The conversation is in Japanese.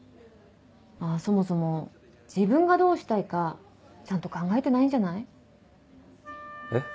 まぁそもそも自分がどうしたいかちゃんと考えてないんじゃない？え。